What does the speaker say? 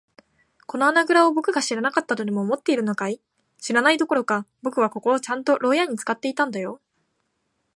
この穴ぐらをぼくが知らなかったとでも思っているのかい。知らないどころか、ぼくはここをちゃんと牢屋ろうやに使っていたんだよ。